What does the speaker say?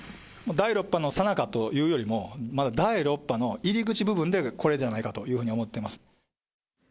第６波のさなかというよりも、まだ第６波の入り口部分で、これじゃないかというふうに思ってます。